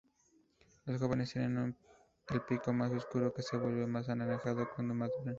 Los jóvenes tienen el pico más oscuro que se vuelve más anaranjado cuando maduran.